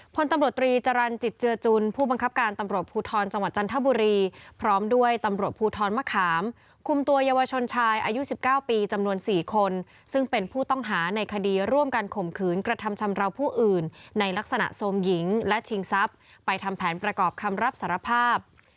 พลตำรวจตรีจรรย์จิตเจือจุลผู้บังคับการตำรวจภูทรจังหวัดจันทบุรีพร้อมด้วยตำรวจภูทรมะขามคุมตัวเยาวชนชายอายุ๑๙ปีจำนวน๔คนซึ่งเป็นผู้ต้องหาในคดีร่วมกันข่มขืนกระทำชำราวผู้อื่นในลักษณะโทรมหญิงและชิงทรัพย์ไปทำแผนประกอบคำรับสารภาพ